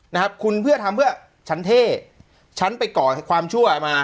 นะครับคุณเพื่อทำเพื่อฉันเท่ฉันไปก่อความชั่วมา